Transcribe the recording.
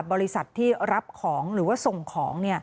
บริษัทที่รับของหรือว่าส่งของ